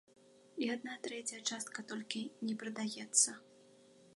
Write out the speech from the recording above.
І адна трэцяя частка толькі не прадаецца.